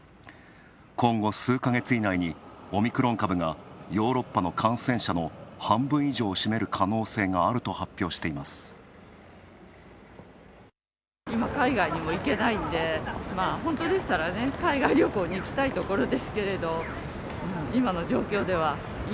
今後、数か月以内にオミクロン株がヨーロッパの感染者の半分以上を占める可能性があると発表しています。